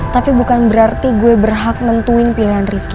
tapi bukan berarti gue berhak nentuin pilihan rizky